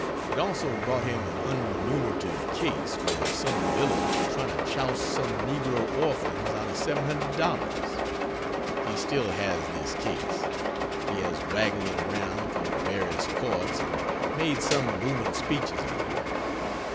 It also brought him an unremunerative case where some villains were trying to chouse some negro orphans out of $700. He still has this case. He has waggled it around through various courts and made some booming speeches on it.